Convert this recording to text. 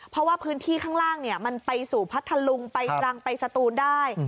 เพราะว่าพื้นที่ข้างล่างมันไปสู่พัทธลุงไปตรังไปสตูนได้